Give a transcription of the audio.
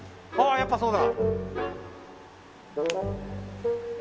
やっぱそうだ！